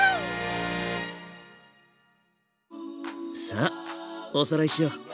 さあおさらいしよう。